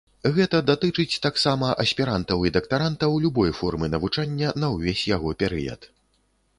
Гэта датычыць таксама аспірантаў і дактарантаў любой формы навучання на ўвесь яго перыяд.